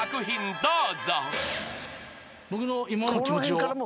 どうぞ］